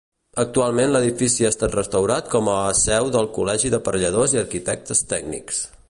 Actualment l'edifici ha estat restaurat com a seu del Col·legi d'Aparelladors i Arquitectes Tècnics.